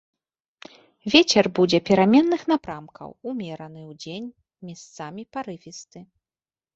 Вецер будзе пераменных напрамкаў, умераны, удзень месцамі парывісты.